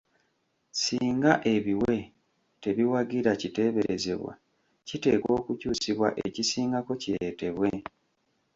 Singa ebiwe tebiwagira kiteeberezebwa, kiteekwa okukyusibwa ekisingako kireetebwe.